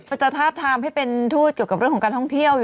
จะทาบทามให้เป็นทูตเกี่ยวกับเรื่องของการท่องเที่ยว